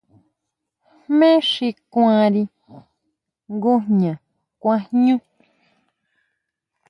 ¿Jmé xi kuanri ngujña kuan jñú?